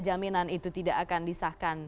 jaminan itu tidak akan disahkan